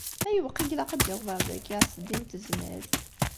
Ayweq i ilaq ad d-yaweḍ ar daki Ɛezdin n Tezmalt?